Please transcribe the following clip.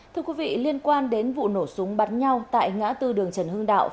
thưa quý vị liên quan đến vụ nổ súng bắt nhau tại ngã tư đường trần hưng đăng